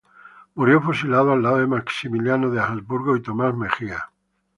Murió fusilado al lado de Maximiliano de Habsburgo y Tomás Mejía.